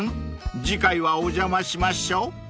次回はお邪魔しましょう］